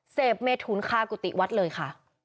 เสพเมถุนคากุฏิวัดเลยค่ะ